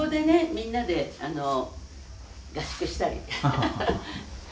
みんなで合宿したりみんなで」